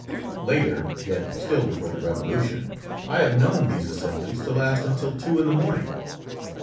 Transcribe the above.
Later, yet still before the Revolution, I have known these assemblies to last until two in the morning.